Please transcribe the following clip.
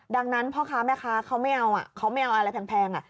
ดังนั้นพ่อค้าแม่ค้าเขาไม่เอาอะไรแพง